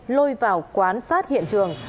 lôi vào quán sát hiện trường